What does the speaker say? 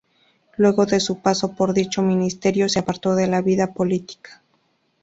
Luego de su paso por dicho ministerio se apartó de la vida política.